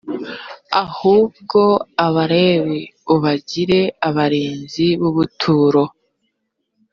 ahubwo abalewi ubagire abarinzi b’ubuturo